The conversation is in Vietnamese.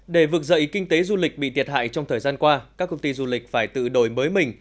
để vực dậy kinh tế du lịch bị thiệt hại trong thời gian qua các công ty du lịch phải tự đổi mới mình